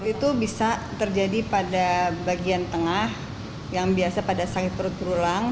itu bisa terjadi pada bagian tengah yang biasa pada sakit perut berulang